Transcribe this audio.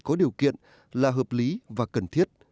có điều kiện là hợp lý và cần thiết